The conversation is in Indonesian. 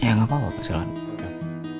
ya gapapa pak silahkan